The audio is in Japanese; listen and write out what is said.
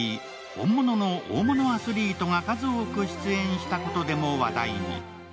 本物の大物アスリートが数多く出演したことでも話題に。